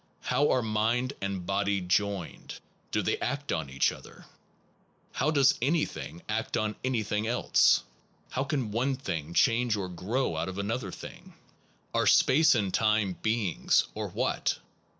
How are mind and body joined? Do they act on each other? How does anything act on anything else? How can one thing change or grow out of another thing? Are space and/time beings? or what?